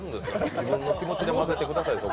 自分の気持ちで混ぜてくださいよ。